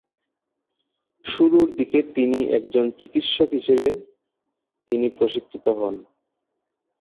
শুরুর দিকে তিনি একজন চিকিৎসক হিসেবে তিনি প্রশিক্ষিত হন।